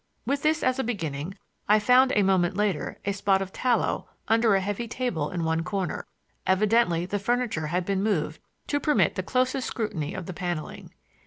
With this as a beginning, I found a moment later a spot of tallow under a heavy table in one corner. Evidently the furniture had been moved to permit of the closest scrutiny of the paneling.